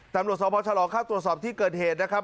ตำรวจสภาพพลิกตะวันออกข้างตรวจสอบที่เกิดเหตุนะครับ